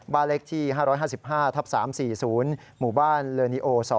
บาร์เล็กที่๕๕๕๓๔๐หมู่บ้านเลอนีโอ๒